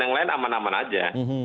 yang lain aman aman aja